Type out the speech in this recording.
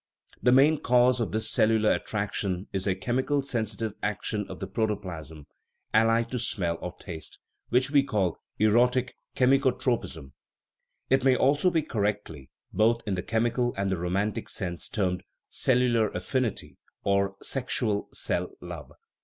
The main cause of this cellular attraction is a chemical sen sitive action of the protoplasm, allied to smell or taste, which we call " erotic chemicotropism "; it may also 136 THE EMBRYOLOGY OF THE SOUL be correctly (both in the chemical and the romantic sense) termed " cellular affinity " or " sexual cell love."